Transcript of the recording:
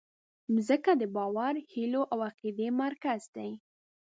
مځکه د باور، هیلو او عقیدې مرکز ده.